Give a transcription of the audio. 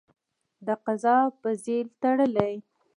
د قضا په ځېل تړلی.